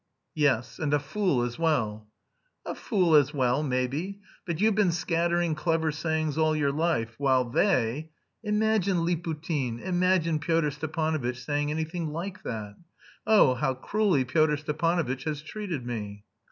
"Yes, and a fool as well." "A fool as well, maybe. But you've been scattering clever sayings all your life, while they.... Imagine Liputin, imagine Pyotr Stepanovitch saying anything like that! Oh, how cruelly Pyotr Stepanovitch has treated me!"